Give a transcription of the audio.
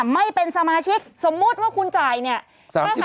ไม่เป็นสมาชิกสมมุติว่าคุณจ่ายเนี่ย